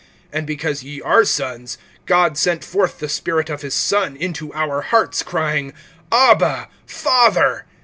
(6)And because ye are sons, God sent forth the Spirit of his Son into our hearts, crying, Abba, Father.